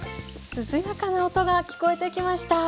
涼やかな音が聞こえてきました。